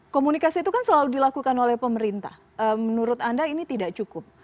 komunikasi itu kan selalu dilakukan oleh pemerintah menurut anda ini tidak cukup